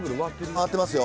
回ってますよ。